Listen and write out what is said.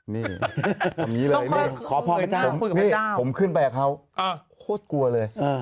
นี่ทำงี้เลย